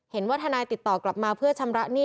เห็นว่าทนายติดต่อกลับมาเพื่อชำระหนี้